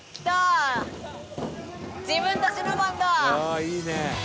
「あいいね」